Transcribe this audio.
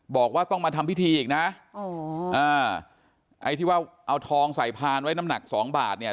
บอกว่าต้องมาทำพิธีอีกนะไอ้ที่ว่าเอาทองใส่พานไว้น้ำหนักสองบาทเนี่ย